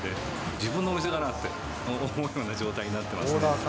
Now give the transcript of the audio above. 自分のお店かな？って思うような状態になってますね。